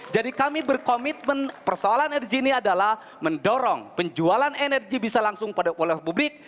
jadi kami berkomitmen persoalan energi ini adalah mendorong penjualan energi bisa langsung pada publik